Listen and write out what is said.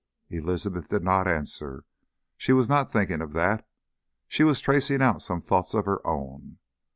Elizabeth did not answer. She was not thinking of that. She was tracing out some thoughts of her own.